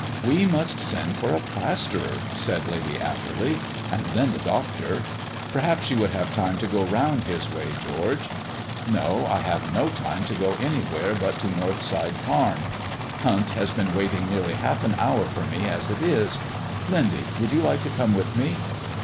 "We must send for a plasterer," said Lady Atherley, "and then the doctor. Perhaps you would have time to go round his way, George." "No, I have no time to go anywhere but to Northside farm. Hunt has been waiting nearly half an hour for me, as it is. Lindy, would you like to come with me?"